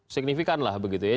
signifikanlah begitu ya